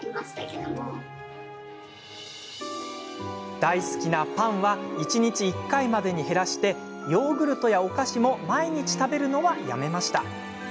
大好きなパンは一日１回までに減らしヨーグルトやお菓子も毎日食べるのはやめました。